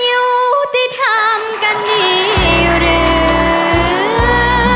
มันอยู่ที่ทำกันดีหรือ